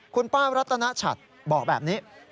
คุณป้ารัตนชัดบอกแบบนี้